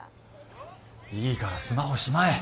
いいからスマホしまえ。